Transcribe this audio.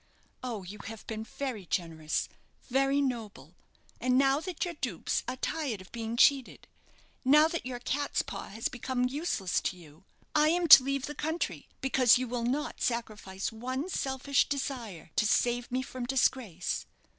Oh, you have been very generous, very noble; and now that your dupes are tired of being cheated now that your cat's paw has become useless to you I am to leave the country, because you will not sacrifice one selfish desire to save me from disgrace."